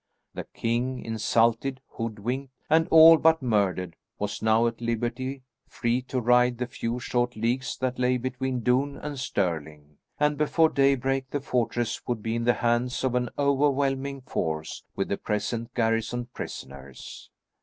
The king, insulted, hoodwinked, and all but murdered, was now at liberty, free to ride the few short leagues that lay between Doune and Stirling, and before daybreak the fortress would be in the hands of an overwhelming force with the present garrison prisoners.